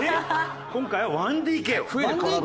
今回は１ＤＫを。